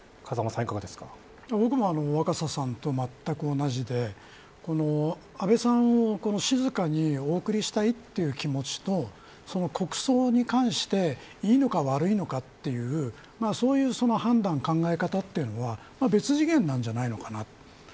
僕も若狭さんと全く同じで、安倍さんを静かにお送りしたいっていう気持ちを国葬に関していいのか悪いのかというそういう判断、考え方というのは別次元じゃないのかなと。